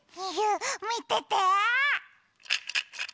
みてて！